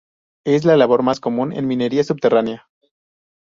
Es la labor más común en minería subterránea.